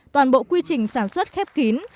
toàn bộ quy trình sản xuất khép kín